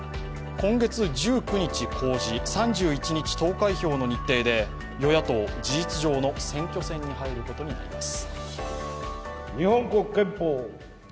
今月１９日公示、３１日投開票の日程で与野党、事実上の選挙戦に入ることになります。